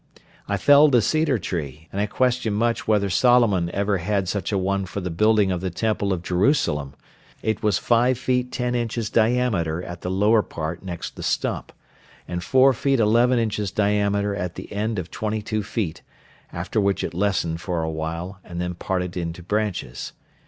I felled a cedar tree, and I question much whether Solomon ever had such a one for the building of the Temple of Jerusalem; it was five feet ten inches diameter at the lower part next the stump, and four feet eleven inches diameter at the end of twenty two feet; after which it lessened for a while, and then parted into branches.